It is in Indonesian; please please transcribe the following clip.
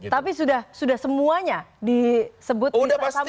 tapi sudah semuanya disebut disampaikan ini